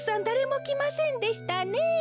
だれもきませんでしたね。